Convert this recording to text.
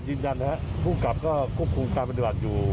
ยืนยันนะครับภูมิกับก็ควบคุมการปฏิบัติอยู่